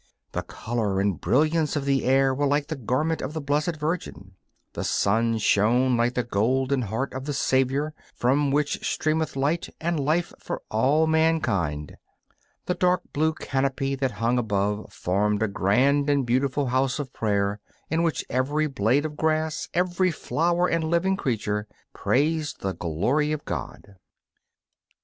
The colour and brilliance of the air were like the garment of the Blessed Virgin; the sun shone like the Golden Heart of the Saviour, from which streameth light and life for all mankind; the dark blue canopy that hung above formed a grand and beautiful house of prayer, in which every blade of grass, every flower and living creature praised the glory of God.